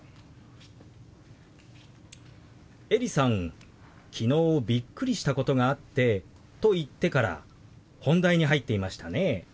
エリさん「昨日びっくりしたことがあって」と言ってから本題に入っていましたね。